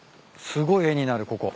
すごい絵になるここ。